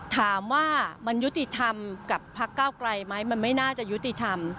ถามว่ามันยุติธรรมกับพักเก้าไกลไหมมันไม่น่าจะยุติธรรม